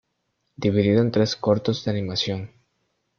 Dividido en tres cortos de animación.